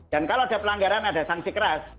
dan kalau ada pelanggaran ada sanksi keras